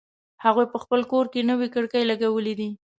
هغوی په خپل کور کی نوې کړکۍ لګولې دي